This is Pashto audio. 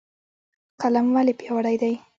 قلم ولې پیاوړی دی؟